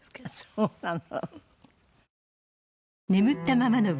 そうなの。